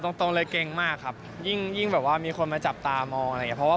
บอกตรงเลยเกรงมากครับยิ่งยิ่งแบบว่ามีคนมาจับตามองอะไรอย่างเงี้ย